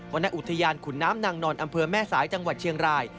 ณอุทยานขุนน้ำนางนอนอำเภอแม่สายจังหวัดเชียงราย